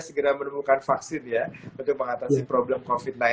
segera menemukan vaksin ya untuk mengatasi problem covid sembilan belas